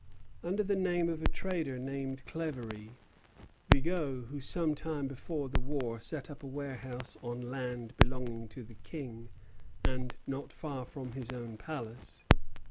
Under the name of a trader named Claverie, Bigot, some time before the war, set up a warehouse on land belonging to the King and not far from his own palace.